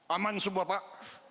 aman semua pak